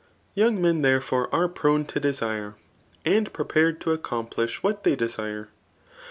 Toung men, tberefbret aie prone to dmr% and pre* pared to accompli^ what they desire.